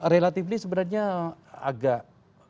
relativly sebenarnya agak